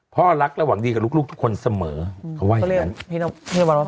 พ่อรักระหว่างดีกับลูกทุกคนเสมอเขาไว้อย่างนั้น